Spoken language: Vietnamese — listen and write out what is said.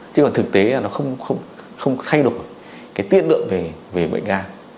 chứ còn thực tế là nó không thay đổi cái tiết lượng về bệnh gan